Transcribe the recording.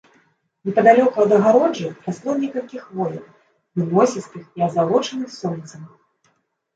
Непадалёку ад агароджы расло некалькі хвояў, выносістых і азалочаных сонцам.